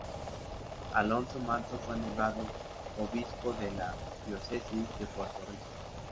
Alonso Manso fue nombrado obispo de la Diócesis de Puerto Rico.